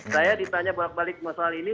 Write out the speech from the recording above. saya ditanya balik balik masalah ini